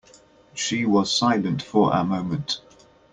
She was silent for a moment.